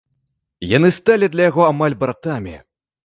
Яны сталі для яго амаль братамі.